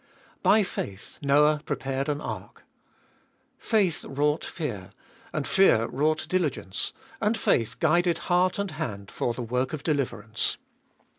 By faith Noah prepared an ark. Faith wrought fear, and fear wrought diligence, and faith guided heart and hand for the work of deliverance.